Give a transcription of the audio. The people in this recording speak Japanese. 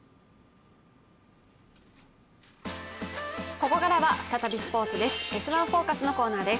ここからは再びスポーツです。